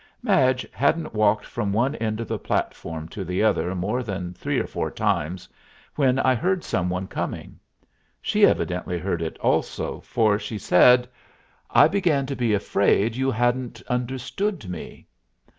Madge hadn't walked from one end of the platform to the other more than three or four times, when I heard some one coming. She evidently heard it also, for she said, "I began to be afraid you hadn't understood me."